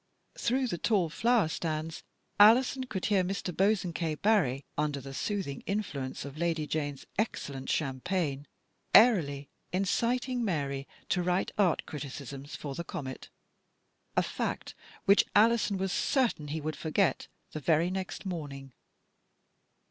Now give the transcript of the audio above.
Through the tall 6pergnes Alison could hear Mr. Bosanquet Barry, under the soothing influence of Lady Jane's excellent champagne, airily inciting Mary to write art criticisms for The Comet; a fact which Ali son was certain he would forget the very next morning.